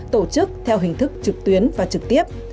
tổ chức theo hình thức trực tuyến và trực tiếp